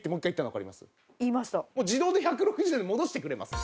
もう自動で１６０度に戻してくれます。